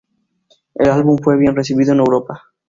El álbum fue bien recibido en Europa.